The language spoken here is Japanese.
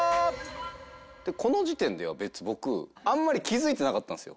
この時点では僕あんまり気づいてなかったんですよ